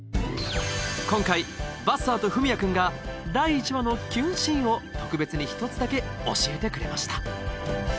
今回ばっさーと文哉君が第１話のキュンシーンを特別に１つだけ教えてくれました